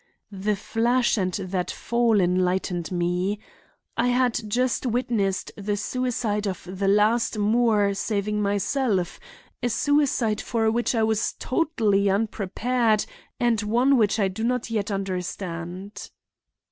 The flash and that fall enlightened me. I had just witnessed the suicide of the last Moore saving myself; a suicide for which I was totally unprepared and one which I do not yet understand.